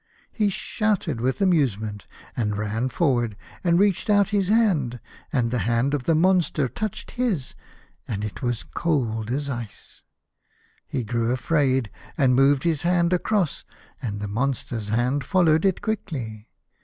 He shouted with amuse ment, and ran forward, and reached out his hand, and the hand of the monster touched his, and it was as cold as ice. He grew afraid, and moved his hand across, and the monster's hand followed it quickly.